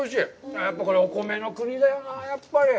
やっぱり、これ、お米の国だよなぁ、やっぱり。